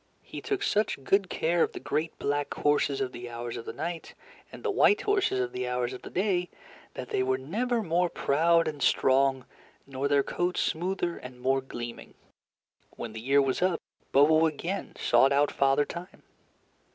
He took such good care of the great black horses of the Hours of the Night, and the white horses of the Hours of the Day, that they were never more proud and strong, nor their coats smoother and more gleaming. When the year was up, Bobo again sought out Father Time.